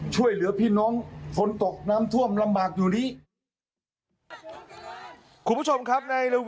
ช่วยเหลือพี่น้องฝนตกน้ำท่วมลำบากอยู่นี้